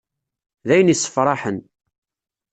D ayen issefraḥen.